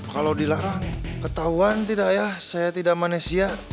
kalo dilarang ketahuan tidak ya saya tidak manesia